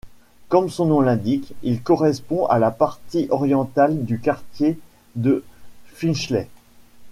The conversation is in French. Comme son nom l'indique, il correspond à la partie orientale du quartier de Finchley.